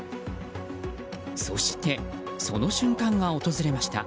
そして、その瞬間が訪れました。